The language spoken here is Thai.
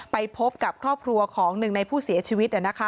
ไปพบกับครอบครัวของหนึ่งในผู้เสียชีวิต